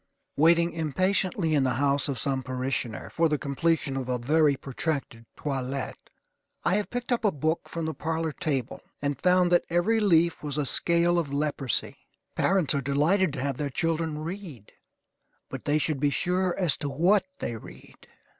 Waiting impatiently in the house of some parishioner, for the completion of a very protracted toilet, I have picked up a book from the parlor table, and found that every leaf was a scale of leprosy. Parents are delighted to have their children read, but they should be sure as to what they read.